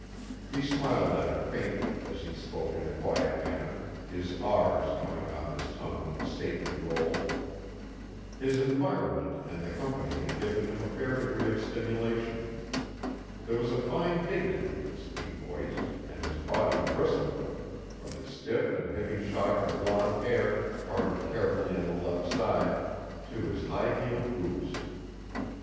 He smiled at her faintly as he spoke in a quiet manner, his r s coming off his tongue with a stately roll. His environment and the company had given him a fair degree of stimulation. There was a fine dignity in his deep voice, and his body bristled with it, from his stiff and heavy shock of blonde hair parted carefully on the left side, to his high heeled boots.